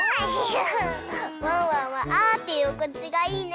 ワンワンはあっていうおくちがいいね。